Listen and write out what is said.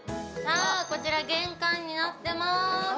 こちら玄関になってます。